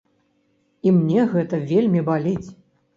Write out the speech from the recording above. І мне гэта вельмі баліць.